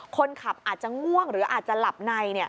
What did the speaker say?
คนขับอาจจะง่วงหรืออาจจะหลับใน